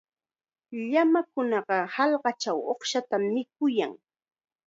Llamakunaqa hallqachaw uqshatam mikuyan.